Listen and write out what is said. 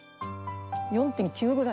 ４．９ぐらい。